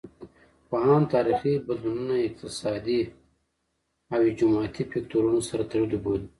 پوهان تاریخي بدلونونه اقتصادي او جمعیتي فکتورونو سره تړلي بولي.